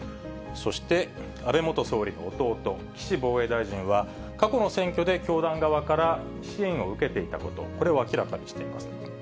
そして、安倍元総理の弟、岸防衛大臣は、過去の選挙で教団側から支援を受けていたこと、これを明らかにしています。